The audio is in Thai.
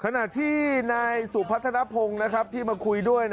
ขณะที่นายสู่พัฒนธนภงษ์นะครับที่มาคุยด้วย